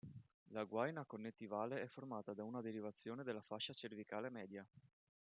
La guaina connettivale è formata da una derivazione della fascia cervicale media.